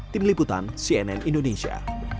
tim liputan cnn indonesia